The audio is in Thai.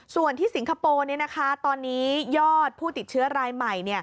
ส่วนที่สิงคโปร์ตอนนี้ยอดผู้ติดเชื้อรายใหม่